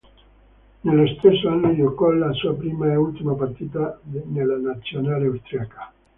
Nello stesso anno giocò la sua prima e ultima partita nella Nazionale austriaca.